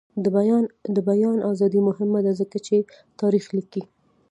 د بیان ازادي مهمه ده ځکه چې تاریخ لیکي.